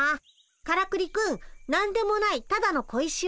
からくりくん何でもないただの小石をおねがい。